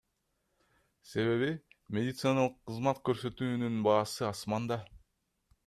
Себеби медициналык кызмат көрсөтүүнүн баасы асманда.